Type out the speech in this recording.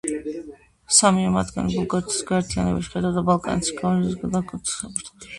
სამივე მათგანი ბულგარეთის გაერთიანებაში ხედავდა ბალკანეთში გავლენის დაკარგვის საფრთხეს.